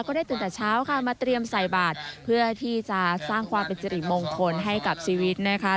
ได้ตื่นแต่เช้าค่ะมาเตรียมใส่บาทเพื่อที่จะสร้างความเป็นสิริมงคลให้กับชีวิตนะคะ